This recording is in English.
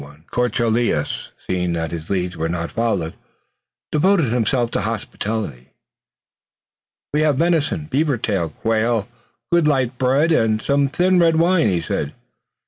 De Courcelles, seeing that his lead was not followed, devoted himself to hospitality. "We have venison, beaver tail, quail, good light bread and some thin red wine," he said.